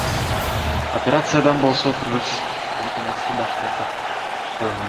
Операциядан болсо кыргыз Зыкинасы баш тартып койгон.